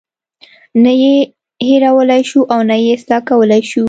نه یې هیرولای شو او نه یې اصلاح کولی شو.